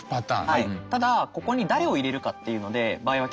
はい。